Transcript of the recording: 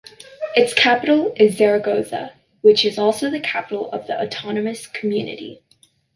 Its capital is Zaragoza, which is also the capital of the autonomous community.